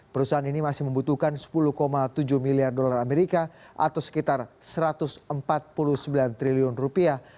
perusahaan ini masih membutuhkan sepuluh tujuh miliar dolar amerika atau sekitar satu ratus empat puluh sembilan triliun rupiah